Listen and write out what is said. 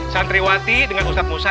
santriwati dengan ustadz musa